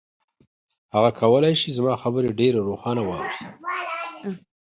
هغه کولای شي زما خبرې ډېرې روښانه واوري.